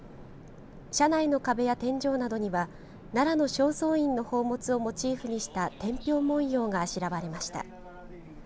車内の壁や天井などには奈良の正倉院の宝物をモチーフにした天平文様があしらわれました。